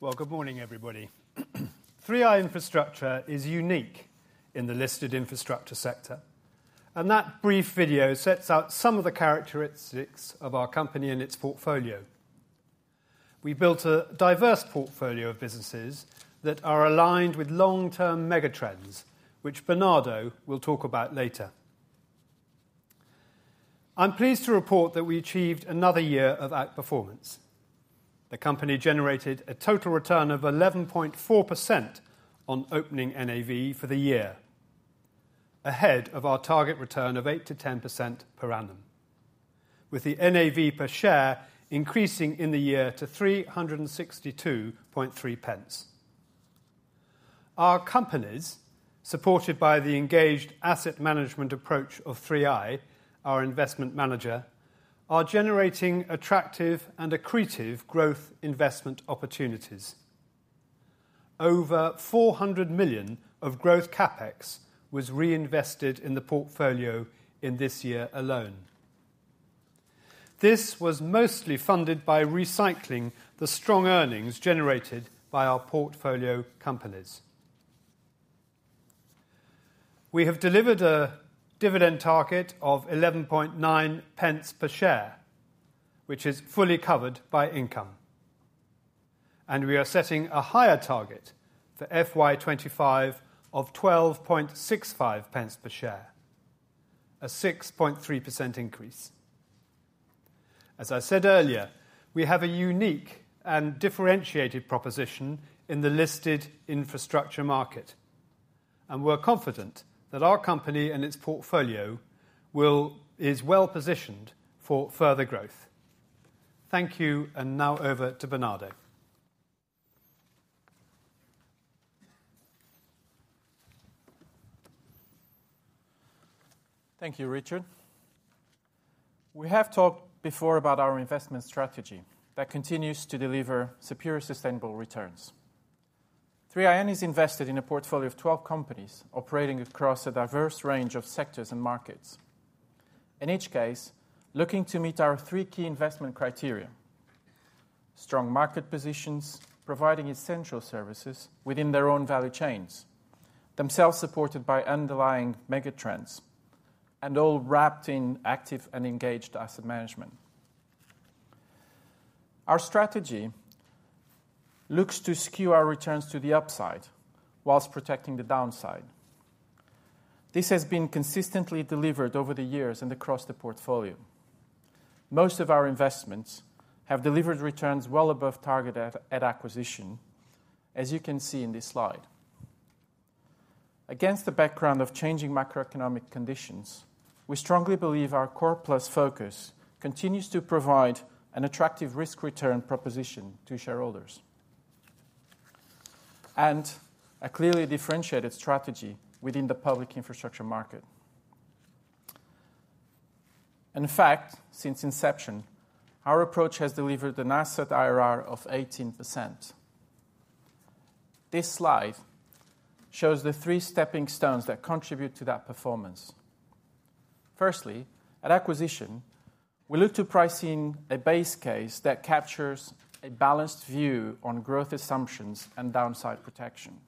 Well, good morning everybody. 3i Infrastructure is unique in the listed infrastructure sector, and that brief video sets out some of the characteristics of our company and its portfolio. We've built a diverse portfolio of businesses that are aligned with long-term megatrends, which Bernardo will talk about later. I'm pleased to report that we achieved another year of outperformance. The company generated a total return of 11.4% on opening NAV for the year, ahead of our target return of 8%-10% per annum, with the NAV per share increasing in the year to 3.623. Our companies, supported by the engaged asset management approach of 3i, our investment manager, are generating attractive and accretive growth investment opportunities. Over 400 million of growth CapEx was reinvested in the portfolio in this year alone. This was mostly funded by recycling the strong earnings generated by our portfolio companies. We have delivered a dividend target of 0.119 per share, which is fully covered by income. We are setting a higher target for FY25 of 0.1265 per share, a 6.3% increase. As I said earlier, we have a unique and differentiated proposition in the listed infrastructure market, and we're confident that our company and its portfolio is well-positioned for further growth. Thank you, and now over to Bernardo. Thank you, Richard. We have talked before about our investment strategy that continues to deliver superior sustainable returns. 3i Infrastructure is invested in a portfolio of 12 companies operating across a diverse range of sectors and markets, in each case looking to meet our three key investment criteria: strong market positions, providing essential services within their own value chains, themselves supported by underlying megatrends, and all wrapped in active and engaged asset management. Our strategy looks to skew our returns to the upside whilst protecting the downside. This has been consistently delivered over the years and across the portfolio. Most of our investments have delivered returns well above target at acquisition, as you can see in this slide. Against the background of changing macroeconomic conditions, we strongly believe our core plus focus continues to provide an attractive risk-return proposition to shareholders, and a clearly differentiated strategy within the public infrastructure market. In fact, since inception, our approach has delivered an asset IRR of 18%. This slide shows the three stepping stones that contribute to that performance. Firstly, at acquisition, we look to pricing a base case that captures a balanced view on growth assumptions and downside protection.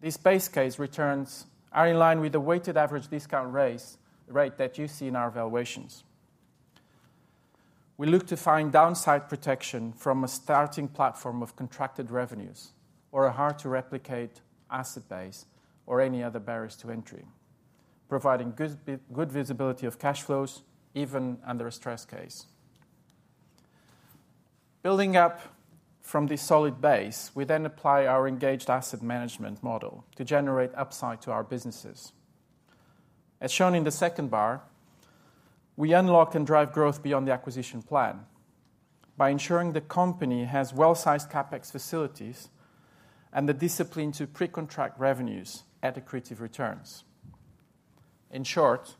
This base case returns are in line with the weighted average discount rate that you see in our valuations. We look to find downside protection from a starting platform of contracted revenues, or a hard-to-replicate asset base, or any other barrier to entry, providing good visibility of cash flows even under a stress case. Building up from this solid base, we then apply our engaged asset management model to generate upside to our businesses. As shown in the second bar, we unlock and drive growth beyond the acquisition plan by ensuring the company has well-sized CapEx facilities and the discipline to pre-contract revenues at accretive returns. In short,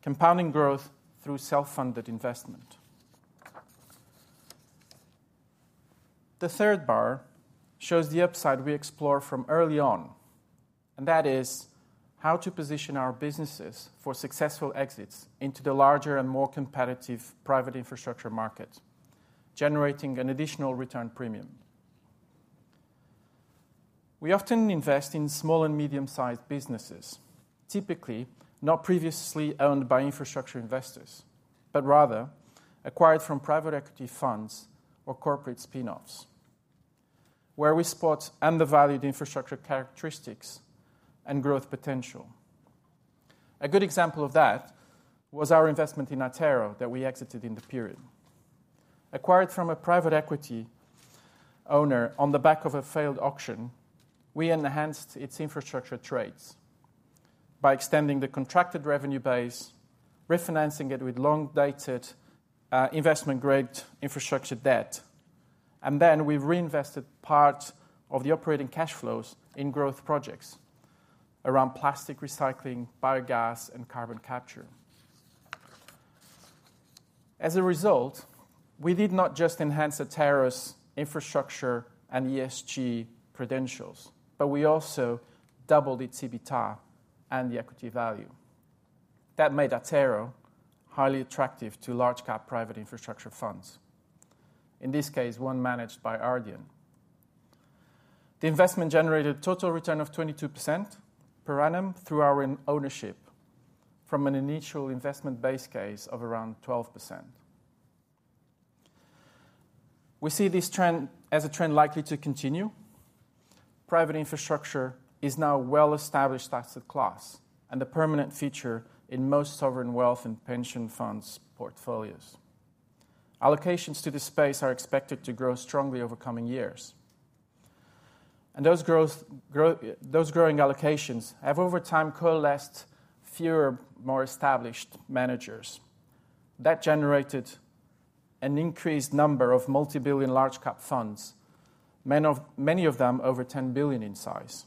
compounding growth through self-funded investment. The third bar shows the upside we explore from early on, and that is how to position our businesses for successful exits into the larger and more competitive private infrastructure market, generating an additional return premium. We often invest in small and medium-sized businesses, typically not previously owned by infrastructure investors, but rather acquired from private equity funds or corporate spin-offs, where we spot undervalued infrastructure characteristics and growth potential. A good example of that was our investment in Attero that we exited in the period. Acquired from a private equity owner on the back of a failed auction, we enhanced its infrastructure traits by extending the contracted revenue base, refinancing it with long-dated investment-grade infrastructure debt, and then we reinvested part of the operating cash flows in growth projects around plastic recycling, biogas, and carbon capture. As a result, we did not just enhance Attero's infrastructure and ESG credentials, but we also doubled its EBITDA and the equity value. That made Attero highly attractive to large-cap private infrastructure funds, in this case one managed by Ardian. The investment generated a total return of 22% per annum through our ownership, from an initial investment base case of around 12%. We see this trend as a trend likely to continue. Private infrastructure is now a well-established asset class and a permanent feature in most sovereign wealth and pension funds portfolios. Allocations to this space are expected to grow strongly over coming years, and those growing allocations have over time coalesced fewer more established managers. That generated an increased number of multi-billion large-cap funds, many of them over 10 billion in size.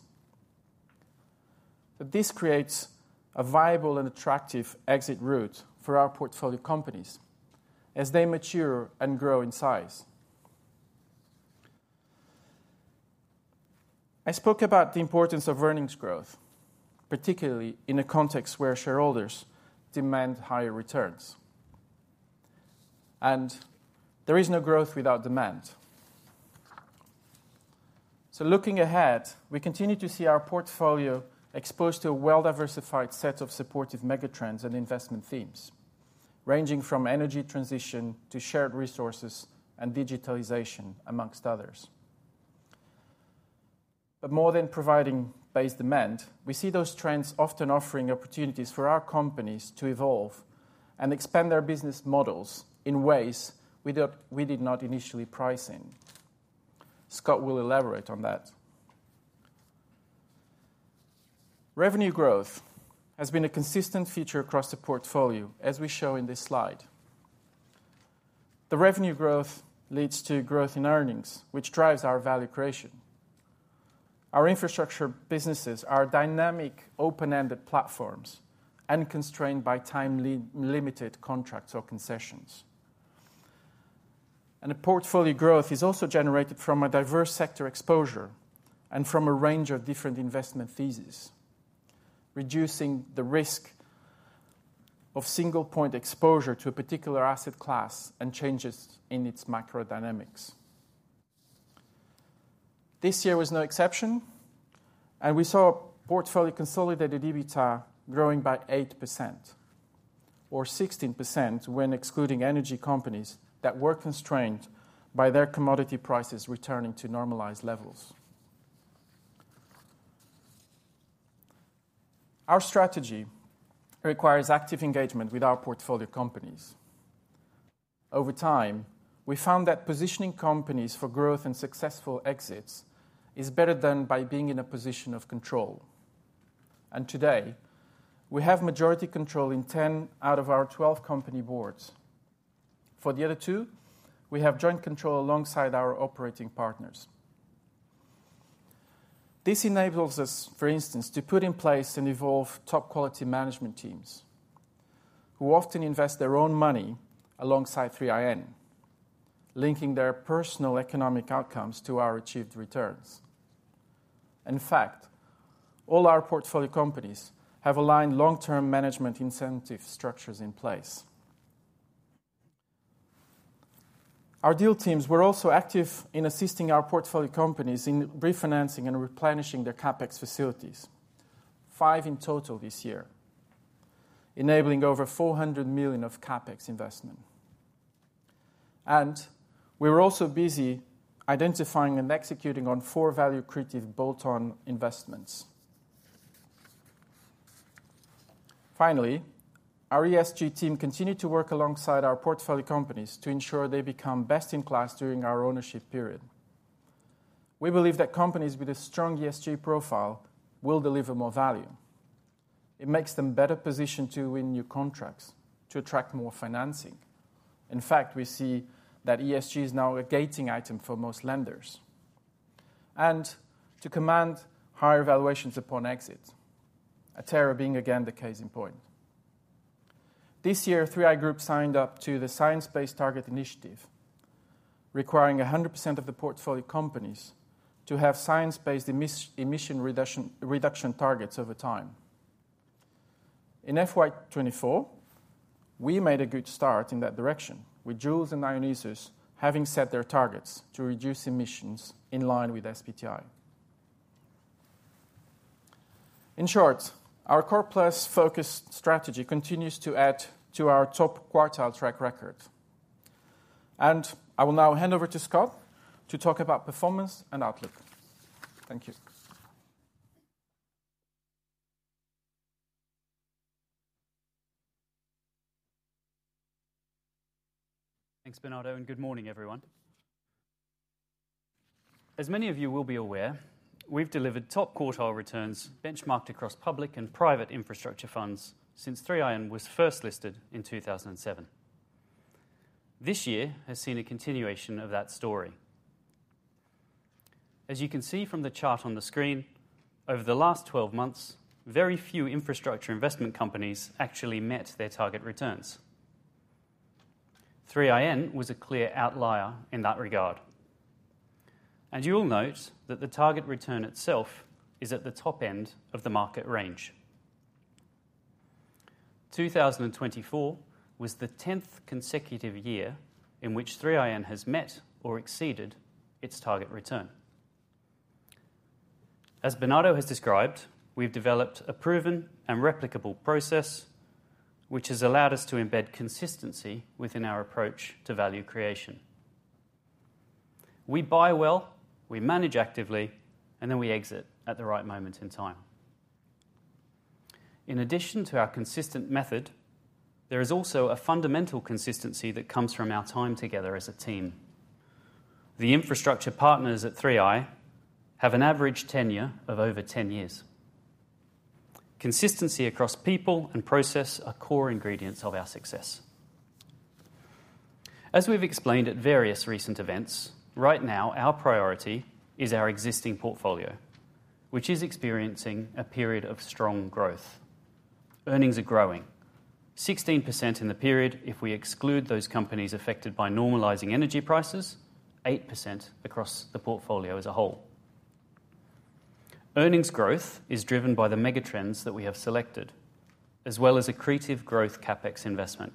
This creates a viable and attractive exit route for our portfolio companies as they mature and grow in size. I spoke about the importance of earnings growth, particularly in a context where shareholders demand higher returns, and there is no growth without demand. Looking ahead, we continue to see our portfolio exposed to a well-diversified set of supportive megatrends and investment themes, ranging from energy transition to shared resources and digitalization, among others. But more than providing base demand, we see those trends often offering opportunities for our companies to evolve and expand their business models in ways we did not initially price in. Scott will elaborate on that. Revenue growth has been a consistent feature across the portfolio, as we show in this slide. The revenue growth leads to growth in earnings, which drives our value creation. Our infrastructure businesses are dynamic, open-ended platforms, unconstrained by time-limited contracts or concessions. Portfolio growth is also generated from a diverse sector exposure and from a range of different investment theses, reducing the risk of single-point exposure to a particular asset class and changes in its macrodynamics. This year was no exception, and we saw portfolio consolidated EBITDA growing by 8%, or 16% when excluding energy companies that were constrained by their commodity prices returning to normalized levels. Our strategy requires active engagement with our portfolio companies. Over time, we found that positioning companies for growth and successful exits is better done by being in a position of control. Today, we have majority control in 10 out of our 12 company boards. For the other two, we have joint control alongside our operating partners. This enables us, for instance, to put in place and evolve top-quality management teams, who often invest their own money alongside 3i Infrastructure, linking their personal economic outcomes to our achieved returns. In fact, all our portfolio companies have aligned long-term management incentive structures in place. Our deal teams were also active in assisting our portfolio companies in refinancing and replenishing their CapEx facilities, 5 in total this year, enabling over 400 million of CapEx investment. We were also busy identifying and executing on 4 value-creative bolt-on investments. Finally, our ESG team continued to work alongside our portfolio companies to ensure they become best-in-class during our ownership period. We believe that companies with a strong ESG profile will deliver more value. It makes them better positioned to win new contracts, to attract more financing. In fact, we see that ESG is now a gating item for most lenders, and to command higher valuations upon exit, Attero being again the case in point. This year, 3i Group signed up to the Science Based Targets initiative, requiring 100% of the portfolio companies to have science-based emission reduction targets over time. In FY24, we made a good start in that direction, with Joulz and Ionisos having set their targets to reduce emissions in line with SBTi. In short, our core-plus focused strategy continues to add to our top quartile track record. I will now hand over to Scott to talk about performance and outlook. Thank you. Thanks, Bernardo, and good morning, everyone. As many of you will be aware, we have delivered top quartile returns benchmarked across public and private infrastructure funds since 3i Infrastructure was first listed in 2007. This year has seen a continuation of that story. As you can see from the chart on the screen, over the last 12 months, very few infrastructure investment companies actually met their target returns. 3i Infrastructure was a clear outlier in that regard, and you will note that the target return itself is at the top end of the market range. 2024 was the 10th consecutive year in which 3i Infrastructure has met or exceeded its target return. As Bernardo has described, we have developed a proven and replicable process, which has allowed us to embed consistency within our approach to value creation. We buy well, we manage actively, and then we exit at the right moment in time. In addition to our consistent method, there is also a fundamental consistency that comes from our time together as a team. The infrastructure partners at 3i Infrastructure have an average tenure of over 10 years. Consistency across people and process are core ingredients of our success. As we have explained at various recent events, right now our priority is our existing portfolio, which is experiencing a period of strong growth. Earnings are growing: 16% in the period if we exclude those companies affected by normalizing energy prices, 8% across the portfolio as a whole. Earnings growth is driven by the megatrends that we have selected, as well as accretive growth CapEx investment.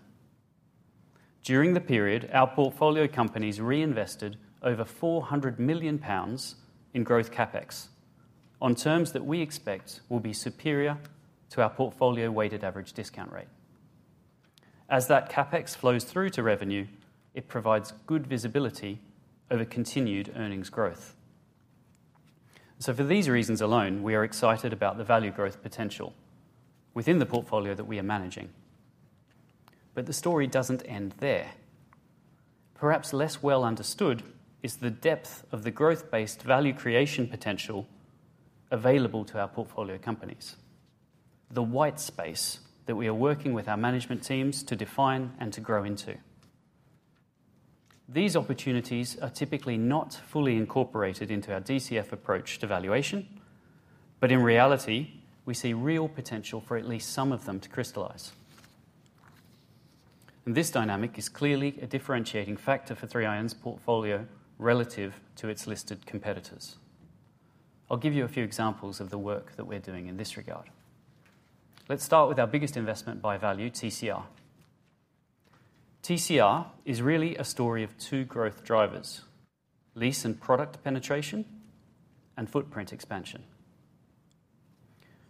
During the period, our portfolio companies reinvested over 400 million pounds in growth CapEx, on terms that we expect will be superior to our portfolio weighted average discount rate. As that CapEx flows through to revenue, it provides good visibility over continued earnings growth. For these reasons alone, we are excited about the value growth potential within the portfolio that we are managing. But the story doesn't end there. Perhaps less well understood is the depth of the growth-based value creation potential available to our portfolio companies, the white space that we are working with our management teams to define and to grow into. These opportunities are typically not fully incorporated into our DCF approach to valuation, but in reality, we see real potential for at least some of them to crystallize. This dynamic is clearly a differentiating factor for 3i Infrastructure's portfolio relative to its listed competitors. I will give you a few examples of the work that we are doing in this regard. Let's start with our biggest investment by value, TCR. TCR is really a story of two growth drivers: lease and product penetration, and footprint expansion.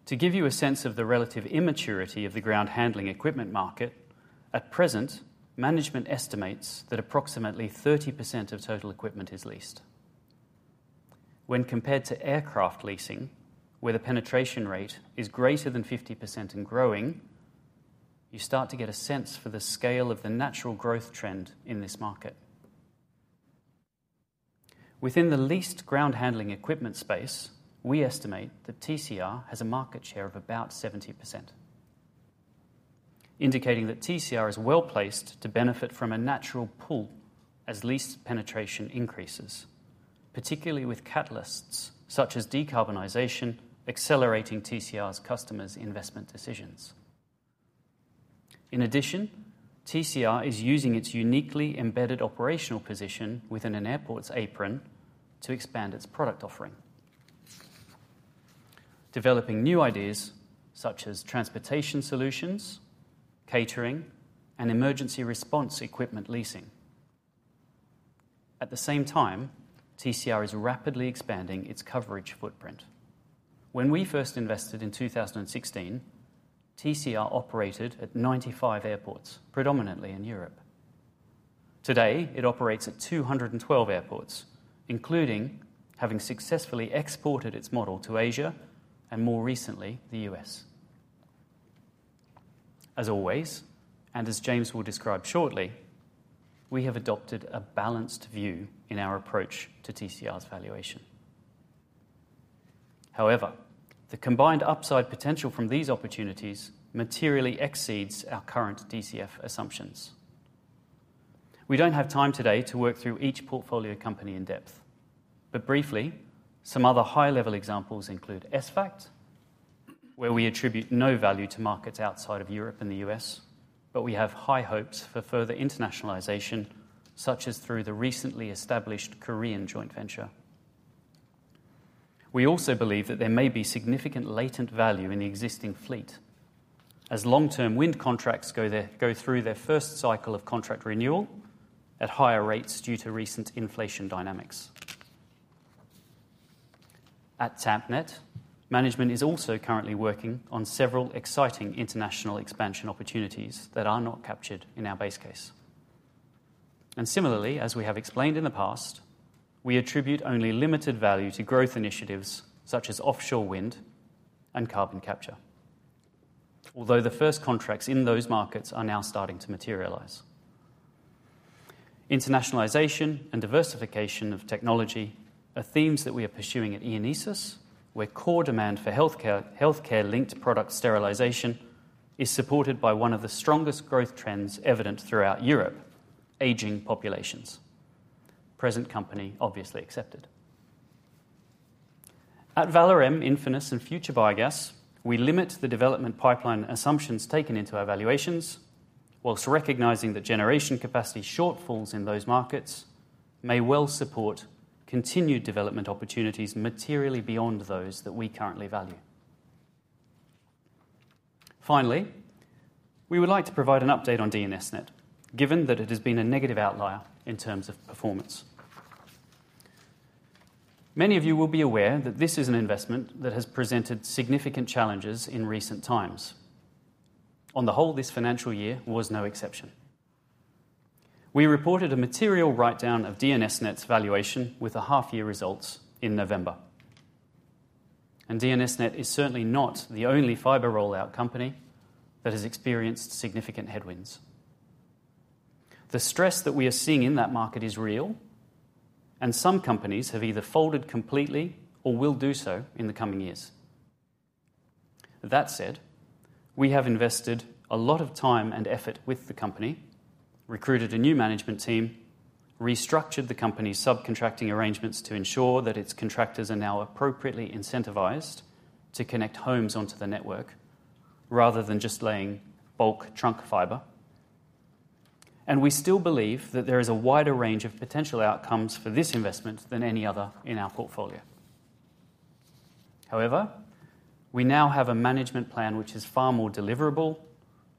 To give you a sense of the relative immaturity of the ground handling equipment market, at present, management estimates that approximately 30% of total equipment is leased. When compared to aircraft leasing, where the penetration rate is greater than 50% and growing, you start to get a sense for the scale of the natural growth trend in this market. Within the leased ground handling equipment space, we estimate that TCR has a market share of about 70%, indicating that TCR is well placed to benefit from a natural pull as lease penetration increases, particularly with catalysts such as decarbonisation accelerating TCR's customers' investment decisions. In addition, TCR is using its uniquely embedded operational position within an airport's apron to expand its product offering, developing new ideas such as transportation solutions, catering, and emergency response equipment leasing. At the same time, TCR is rapidly expanding its coverage footprint. When we first invested in 2016, TCR operated at 95 airports, predominantly in Europe. Today, it operates at 212 airports, including having successfully exported its model to Asia and, more recently, the U.S. As always, and as James will describe shortly, we have adopted a balanced view in our approach to TCR's valuation. However, the combined upside potential from these opportunities materially exceeds our current DCF assumptions. We don't have time today to work through each portfolio company in depth, but briefly, some other high-level examples include ESVAGT, where we attribute no value to markets outside of Europe and the US, but we have high hopes for further internationalization, such as through the recently established Korean joint venture. We also believe that there may be significant latent value in the existing fleet, as long-term wind contracts go through their first cycle of contract renewal at higher rates due to recent inflation dynamics. At Tampnet, management is also currently working on several exciting international expansion opportunities that are not captured in our base case. Similarly, as we have explained in the past, we attribute only limited value to growth initiatives such as offshore wind and carbon capture, although the first contracts in those markets are now starting to materialize. Internationalization and diversification of technology are themes that we are pursuing at Ionesis, where core demand for healthcare-linked product sterilization is supported by one of the strongest growth trends evident throughout Europe: aging populations, present company obviously accepted. At Valorem, Infinis, and Future Biogas, we limit the development pipeline assumptions taken into our valuations, while recognizing that generation capacity shortfalls in those markets may well support continued development opportunities materially beyond those that we currently value. Finally, we would like to provide an update on DNS:NET, given that it has been a negative outlier in terms of performance. Many of you will be aware that this is an investment that has presented significant challenges in recent times. On the whole, this financial year was no exception. We reported a material write-down of DNS:NET's valuation with a half-year results in November, and DNS:NET is certainly not the only fiber rollout company that has experienced significant headwinds. The stress that we are seeing in that market is real, and some companies have either folded completely or will do so in the coming years. That said, we have invested a lot of time and effort with the company, recruited a new management team, restructured the company's subcontracting arrangements to ensure that its contractors are now appropriately incentivized to connect homes onto the network, rather than just laying bulk trunk fiber, and we still believe that there is a wider range of potential outcomes for this investment than any other in our portfolio. However, we now have a management plan which is far more deliverable,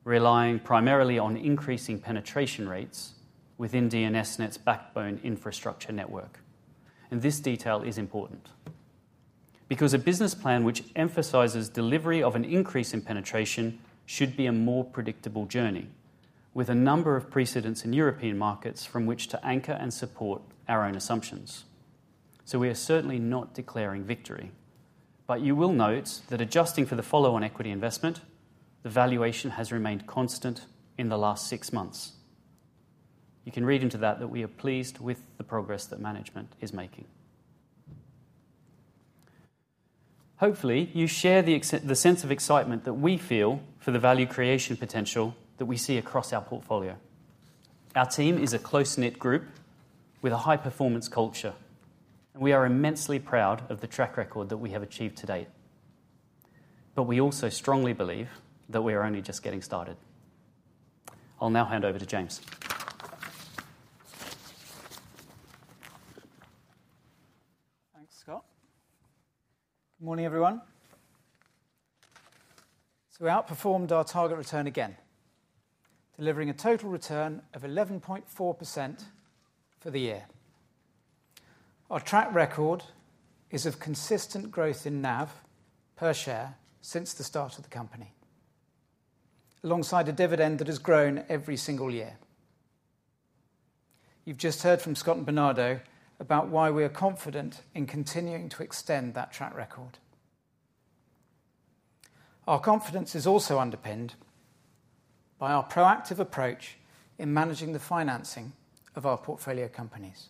relying primarily on increasing penetration rates within DNS:NET's backbone infrastructure network. This detail is important because a business plan which emphasizes delivery of an increase in penetration should be a more predictable journey, with a number of precedents in European markets from which to anchor and support our own assumptions. We are certainly not declaring victory, but you will note that adjusting for the follow-on equity investment, the valuation has remained constant in the last six months. You can read into that that we are pleased with the progress that management is making. Hopefully, you share the sense of excitement that we feel for the value creation potential that we see across our portfolio. Our team is a close-knit group with a high-performance culture, and we are immensely proud of the track record that we have achieved to date. But we also strongly believe that we are only just getting started. I will now hand over to James. Thanks, Scott. Good morning, everyone. We outperformed our target return again, delivering a total return of 11.4% for the year. Our track record is of consistent growth in NAV per share since the start of the company, alongside a dividend that has grown every single year. You have just heard from Scott and Bernardo about why we are confident in continuing to extend that track record. Our confidence is also underpinned by our proactive approach in managing the financing of our portfolio companies.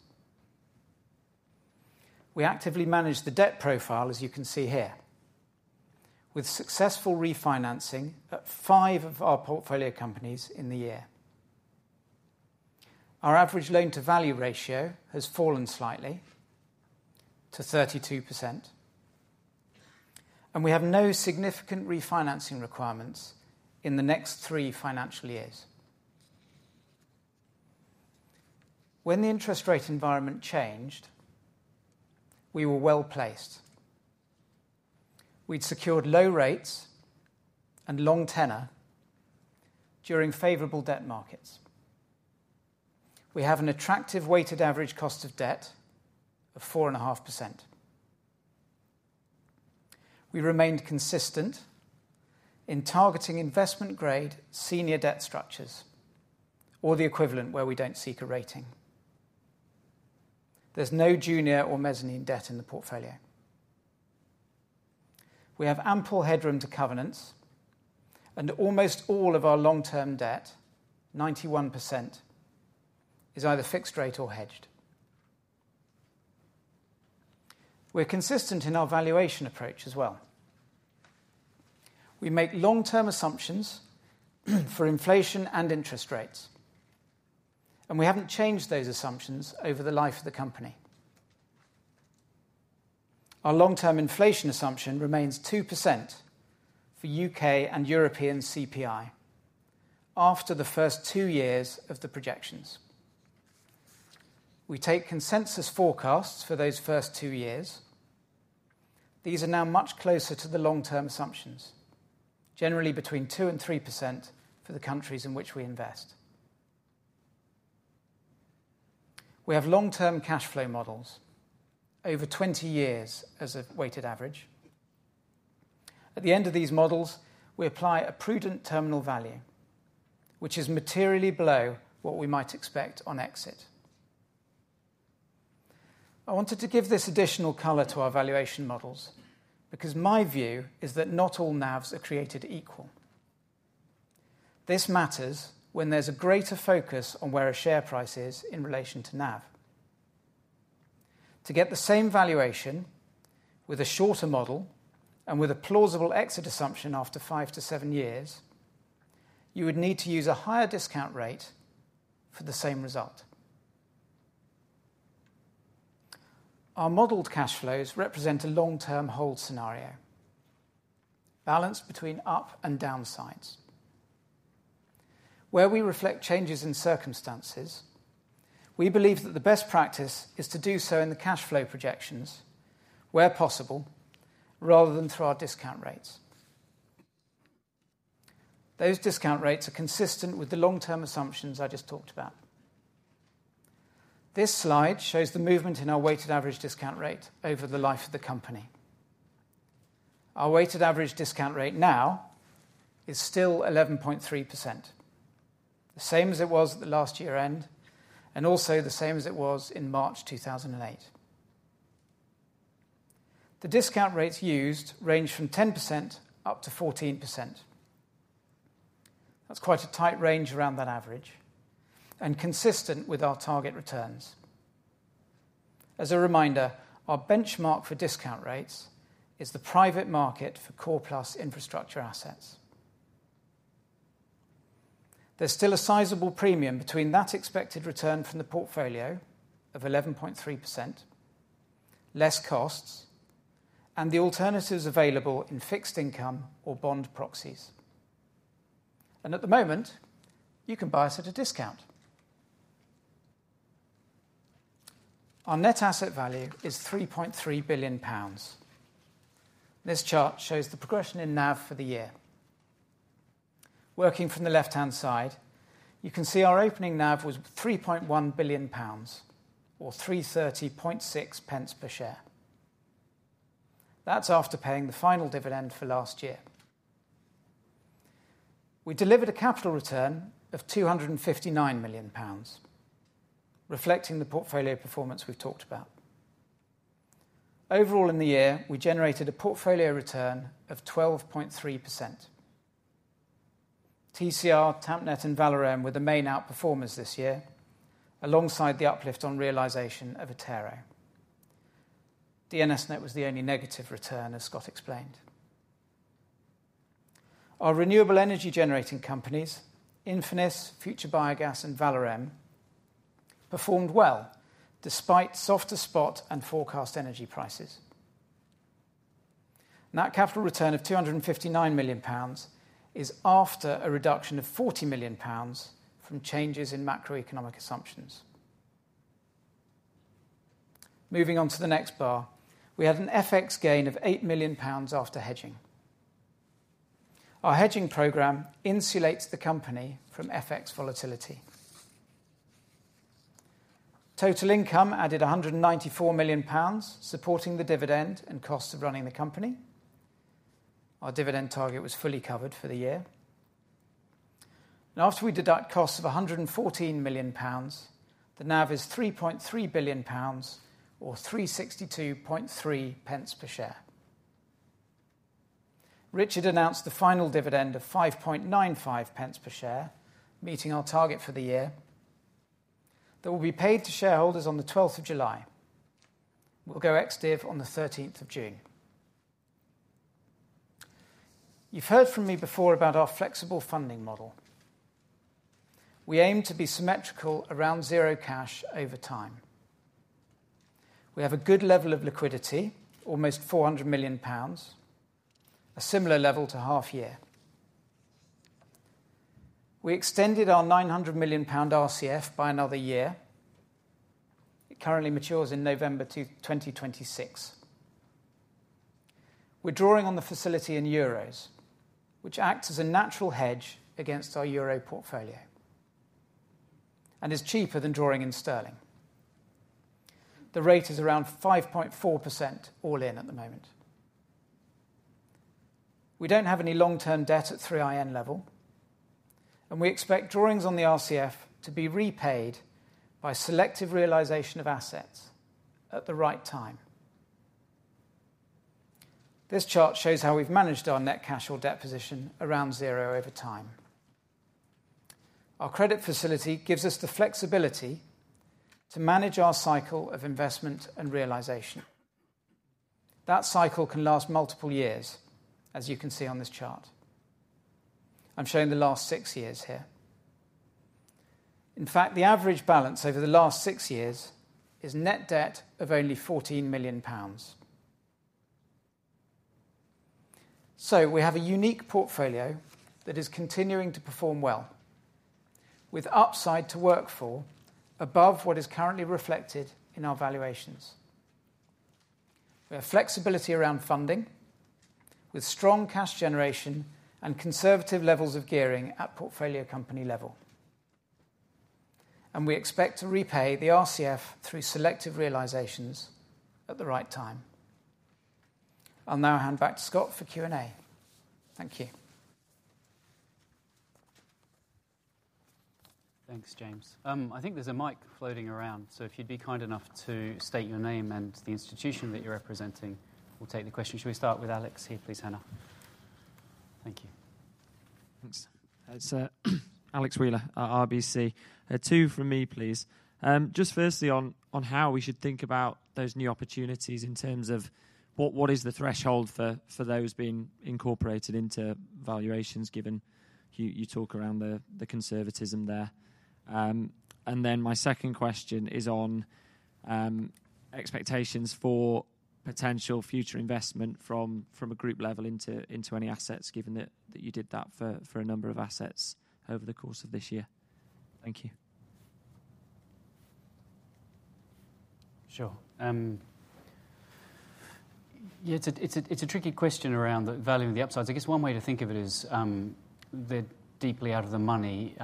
We actively manage the debt profile, as you can see here, with successful refinancing at five of our portfolio companies in the year. Our average loan-to-value ratio has fallen slightly to 32%, and we have no significant refinancing requirements in the next three financial years. When the interest rate environment changed, we were well placed. We had secured low rates and long tenure during favorable debt markets. We have an attractive weighted average cost of debt of 4.5%. We remained consistent in targeting investment-grade senior debt structures, or the equivalent where we don't seek a rating. There's no junior or mezzanine debt in the portfolio. We have ample headroom to covenants, and almost all of our long-term debt, 91%, is either fixed rate or hedged. We are consistent in our valuation approach as well. We make long-term assumptions for inflation and interest rates, and we haven't changed those assumptions over the life of the company. Our long-term inflation assumption remains 2% for UK and European CPI after the first two years of the projections. We take consensus forecasts for those first two years. These are now much closer to the long-term assumptions, generally between 2%-3% for the countries in which we invest. We have long-term cash flow models, over 20 years as a weighted average. At the end of these models, we apply a prudent terminal value, which is materially below what we might expect on exit. I wanted to give this additional color to our valuation models because my view is that not all NAVs are created equal. This matters when there's a greater focus on where a share price is in relation to NAV. To get the same valuation with a shorter model and with a plausible exit assumption after 5-7 years, you would need to use a higher discount rate for the same result. Our modelled cash flows represent a long-term hold scenario, balanced between up and downsides. Where we reflect changes in circumstances, we believe that the best practice is to do so in the cash flow projections, where possible, rather than through our discount rates. Those discount rates are consistent with the long-term assumptions I just talked about. This slide shows the movement in our weighted average discount rate over the life of the company. Our weighted average discount rate now is still 11.3%, the same as it was at the last year-end, and also the same as it was in March 2008. The discount rates used range from 10%-14%. That's quite a tight range around that average, and consistent with our target returns. As a reminder, our benchmark for discount rates is the private market for Core-plus infrastructure assets. There's still a sizable premium between that expected return from the portfolio of 11.3%, less costs, and the alternatives available in fixed income or bond proxies. At the moment, you can buy us at a discount. Our net asset value is 3.3 billion pounds. This chart shows the progression in NAV for the year. Working from the left-hand side, you can see our opening NAV was 3.1 billion pounds, or 330.6 pence per share. That's after paying the final dividend for last year. We delivered a capital return of 259 million pounds, reflecting the portfolio performance we've talked about. Overall in the year, we generated a portfolio return of 12.3%. TCR, Tampnet, and Valorem were the main outperformers this year, alongside the uplift on realisation of Attero. DNS:NET was the only negative return, as Scott explained. Our renewable energy generating companies, Infinis, Future Biogas, and Valorem, performed well despite softer spot and forecast energy prices. That capital return of 259 million pounds is after a reduction of 40 million pounds from changes in macroeconomic assumptions. Moving on to the next bar, we had an FX gain of 8 million pounds after hedging. Our hedging program insulates the company from FX volatility. Total income added 194 million pounds, supporting the dividend and cost of running the company. Our dividend target was fully covered for the year. After we deduct costs of 114 million pounds, the NAV is 3.3 billion pounds, or 362.3 pence per share. Richard announced the final dividend of 5.95 pence per share, meeting our target for the year. That will be paid to shareholders on the 12th of July. It will go ex-div on the 13th of June. You've heard from me before about our flexible funding model. We aim to be symmetrical around zero cash over time. We have a good level of liquidity, almost 400 million pounds, a similar level to half-year. We extended our 900 million pound RCF by another year. It currently matures in November 2026. We're drawing on the facility in euros, which acts as a natural hedge against our euro portfolio and is cheaper than drawing in sterling. The rate is around 5.4% all-in at the moment. We don't have any long-term debt at 3iN level, and we expect drawings on the RCF to be repaid by selective realization of assets at the right time. This chart shows how we've managed our net cash or debt position around zero over time. Our credit facility gives us the flexibility to manage our cycle of investment and realization. That cycle can last multiple years, as you can see on this chart. I'm showing the last six years here. In fact, the average balance over the last six years is net debt of only 14 million pounds. We have a unique portfolio that is continuing to perform well, with upside to work for above what is currently reflected in our valuations. We have flexibility around funding, with strong cash generation and conservative levels of gearing at portfolio company level. We expect to repay the RCF through selective realizations at the right time. I'll now hand back to Scott for Q&A. Thank you. Thanks, James. I think there's a mic floating around, so if you'd be kind enough to state your name and the institution that you're representing, we'll take the question. Shall we start with Alex here, please, Hannah? Thank you. Thanks. Alex Wheeler, RBC. Two from me, please. Just firstly on how we should think about those new opportunities in terms of what is the threshold for those being incorporated into valuations, given you talk around the conservatism there. Then my second question is on expectations for potential future investment from a group level into any assets, given that you did that for a number of assets over the course of this year. Thank you. Sure. It's a tricky question around the value and the upsides. I guess one way to think of it is the deeply out-of-the-money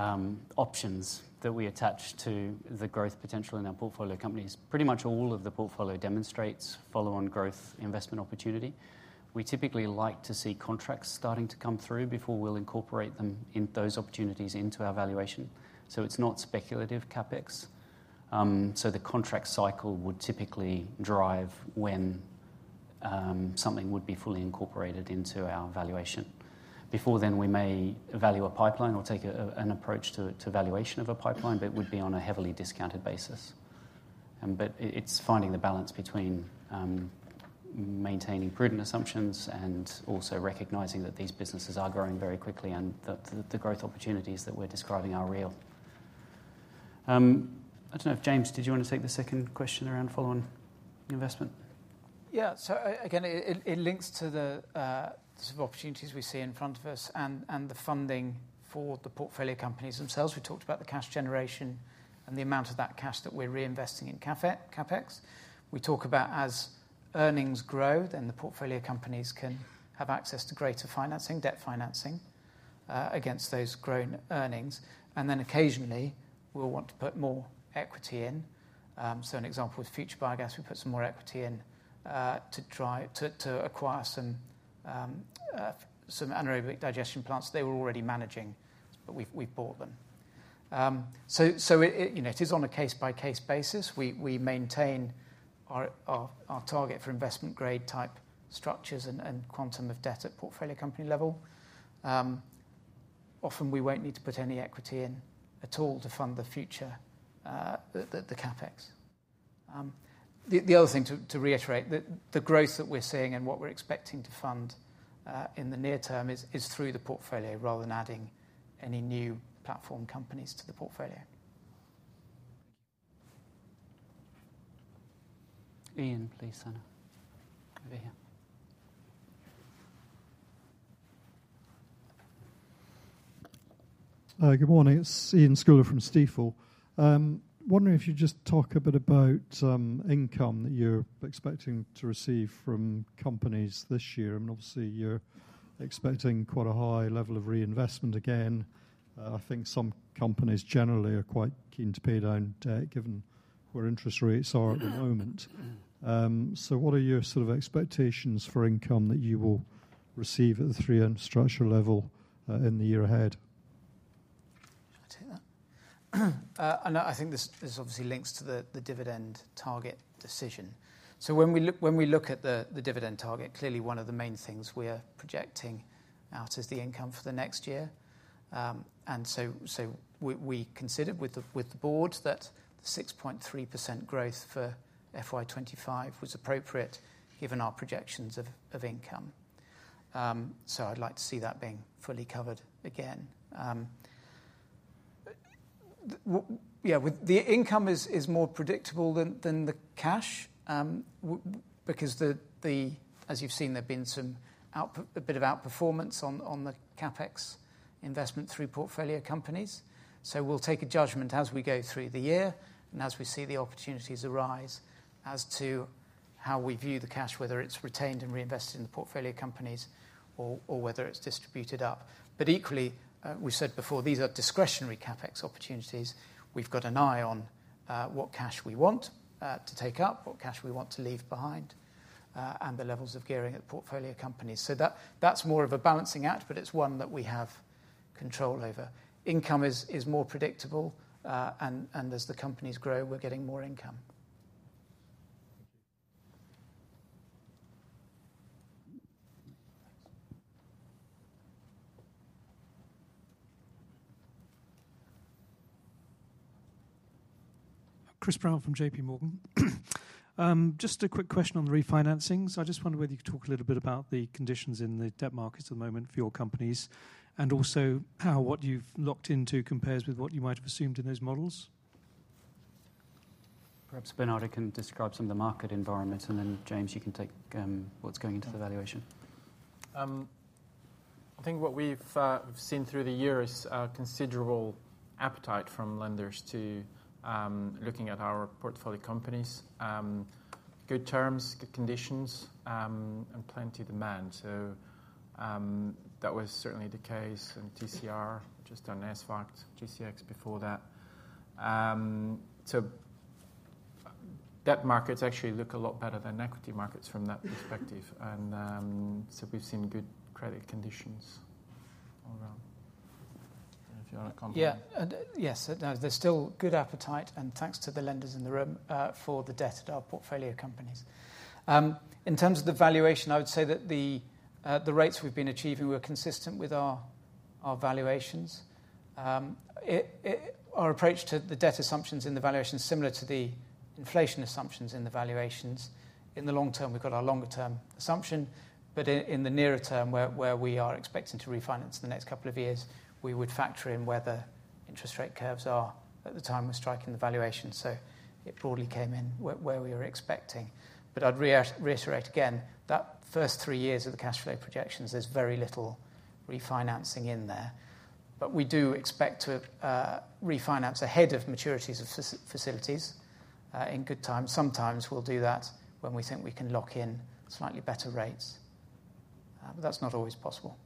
options that we attach to the growth potential in our portfolio companies. Pretty much all of the portfolio demonstrates follow-on growth investment opportunity. We typically like to see contracts starting to come through before we'll incorporate those opportunities into our valuation. It's not speculative CapEx, so the contract cycle would typically drive when something would be fully incorporated into our valuation. Before then, we may evaluate a pipeline or take an approach to valuation of a pipeline, but it would be on a heavily discounted basis. It's finding the balance between maintaining prudent assumptions and also recognizing that these businesses are growing very quickly and that the growth opportunities that we're describing are real. I don't know if James, did you want to take the second question around follow-on investment? Yeah. Again, it links to the sort of opportunities we see in front of us and the funding for the portfolio companies themselves. We talked about the cash generation and the amount of that cash that we're reinvesting in CapEx. We talk about as earnings grow, then the portfolio companies can have access to greater financing, debt financing, against those grown earnings. Then occasionally, we'll want to put more equity in. An example is Future Biogas. We put some more equity in to acquire some anaerobic digestion plants that they were already managing, but we've bought them. It is on a case-by-case basis. We maintain our target for investment-grade type structures and quantum of debt at portfolio company level. Often, we won't need to put any equity in at all to fund the future, the CapEx. The other thing to reiterate, the growth that we're seeing and what we're expecting to fund in the near term is through the portfolio rather than adding any new platform companies to the portfolio. Iain, please, Hannah. Over here. Good morning. It's Iain Scouller from Stifel. Wondering if you'd just talk a bit about income that you're expecting to receive from companies this year. Obviously, you're expecting quite a high level of reinvestment again. I think some companies generally are quite keen to pay down debt, given where interest rates are at the moment. What are your sort of expectations for income that you will receive at the 3i Infrastructure structure level in the year ahead? Should I take that? I think this obviously links to the dividend target decision. When we look at the dividend target, clearly one of the main things we are projecting out is the income for the next year. We considered with the board that the 6.3% growth for FY25 was appropriate, given our projections of income. I'd like to see that being fully covered again. Yeah, the income is more predictable than the cash because, as you've seen, there's been a bit of outperformance on the CapEx investment through portfolio companies. We'll take a judgment as we go through the year and as we see the opportunities arise as to how we view the cash, whether it's retained and reinvested in the portfolio companies or whether it's distributed up. Equally, we said before, these are discretionary CapEx opportunities. We've got an eye on what cash we want to take up, what cash we want to leave behind, and the levels of gearing at portfolio companies. That's more of a balancing act, but it's one that we have control over. Income is more predictable, and as the companies grow, we're getting more income. Chris Brown from JPMorgan. Just a quick question on the refinancings. I just wonder whether you could talk a little bit about the conditions in the debt markets at the moment for your companies and also how what you've locked into compares with what you might have assumed in those models. Perhaps Bernardo, you can describe some of the market environment, and then James, you can take what's going into the valuation. I think what we've seen through the year is a considerable appetite from lenders to looking at our portfolio companies. Good terms, good conditions, and plenty of demand. That was certainly the case in TCR, just on Nasdaq, GCX before that. Debt markets actually look a lot better than equity markets from that perspective. We've seen good credit conditions all around. If you want to complement. Yes. There's still good appetite, and thanks to the lenders in the room for the debt at our portfolio companies. In terms of the valuation, I would say that the rates we've been achieving were consistent with our valuations. Our approach to the debt assumptions in the valuation is similar to the inflation assumptions in the valuations. In the long term, we've got our longer-term assumption, but in the nearer term where we are expecting to refinance in the next couple of years, we would factor in where the interest rate curves are at the time we're striking the valuation. It broadly came in where we were expecting. I'd reiterate again, that first three years of the cash flow projections, there's very little refinancing in there. We do expect to refinance ahead of maturities of facilities in good time. Sometimes we'll do that when we think we can lock in slightly better rates, but that's not always possible.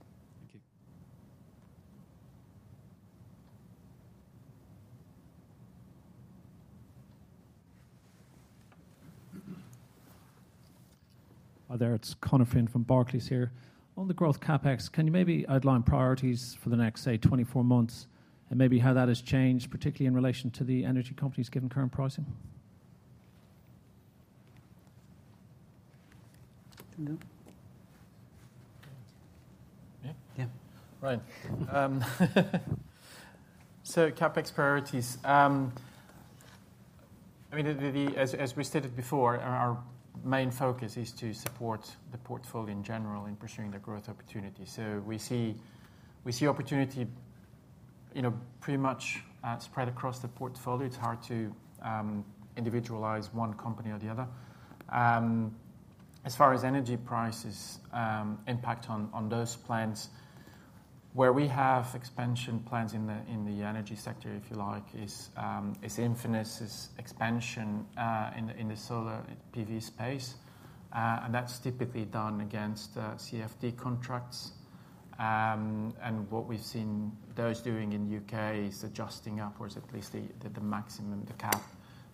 Thank you. Hi there. It's Conor Finn from Barclays here. On the growth CapEx, can you maybe outline priorities for the next, say, 24 months and maybe how that has changed, particularly in relation to the energy companies given current pricing? Yeah. Right. CapEx priorities. As we stated before, our main focus is to support the portfolio in general in pursuing the growth opportunity. We see opportunity pretty much spread across the portfolio. It's hard to individualize one company or the other. As far as energy prices impact on those plans, where we have expansion plans in the energy sector, if you like, is Infinis's expansion in the solar PV space. That's typically done against CFD contracts. What we've seen those doing in the UK is adjusting upwards, at least the maximum, the cap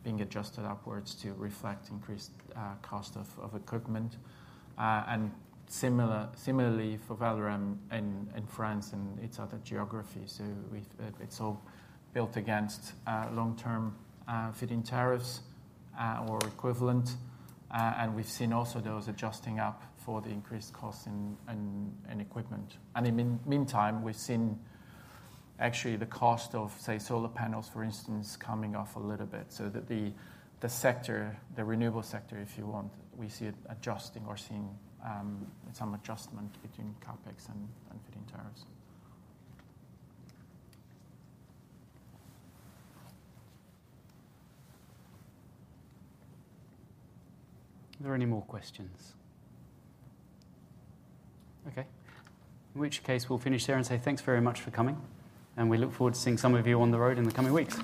being adjusted upwards to reflect increased cost of equipment. Similarly, for Valorem in France and its other geography, it's all built against long-term feed-in tariffs or equivalent. We've seen also those adjusting up for the increased cost in equipment. In the meantime, we've seen actually the cost of, say, solar panels, for instance, coming off a little bit so that the renewable sector, if you want, we see it adjusting or seeing some adjustment between CapEx and feed-in tariffs. Are there any more questions? Okay. In which case, we'll finish there and say thanks very much for coming, and we look forward to seeing some of you on the road in the coming weeks.